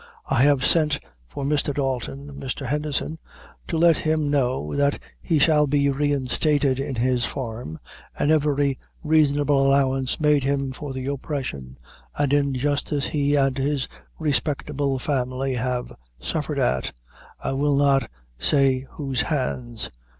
I have sent for Mr. Dalton, Mr. Henderson, to let him know that he shall be reinstated in his farm, and every reasonable allowance made him for the oppression and injustice which he and his respectable family have suffered at I will not say whose hands."